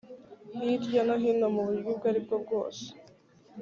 hirya no hino mu buryo ubwo ari bwo bwose